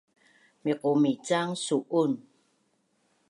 Miqumicang su’un